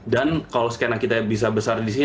dan kalau skena kita bisa besar